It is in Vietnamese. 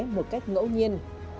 một cách ngẫu nhiên